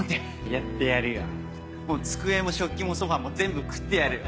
やってやるよもう机も食器もソファも全部食ってやるよ。